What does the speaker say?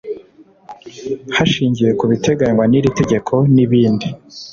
Hashingiwe ku biteganywa n iri tegeko n ibindi